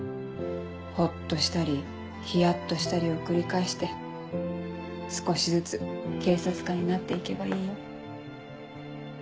ほっとしたりヒヤっとしたりを繰り返して少しずつ警察官になって行けばいいよ。